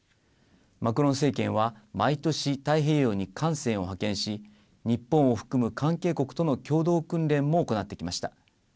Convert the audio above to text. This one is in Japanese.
マクロン政権は毎年、太平洋に艦船を派遣し、日本を含む関係国との共同訓練も行ってきました。